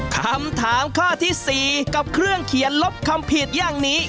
คำถามข้อที่๔กับเครื่องเขียนลบคำผิดอย่างนี้